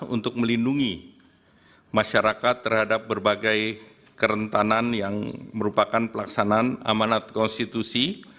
untuk melindungi masyarakat terhadap berbagai kerentanan yang merupakan pelaksanaan amanat konstitusi